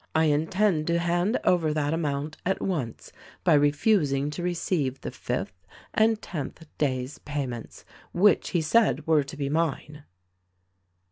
I intend to hand over that amount at once by refusing to receive the fifth and tenth day's pay ments, which he said were to be mine."